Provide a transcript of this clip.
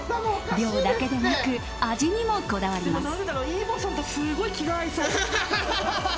量だけでなく味にもこだわります。